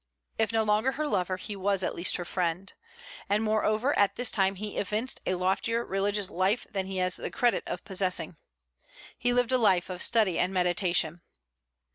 If no longer her lover, he was at least her friend. And, moreover, at this time he evinced a loftier religious life than he has the credit of possessing. He lived a life of study and meditation.